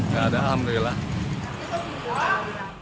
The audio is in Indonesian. tidak ada alhamdulillah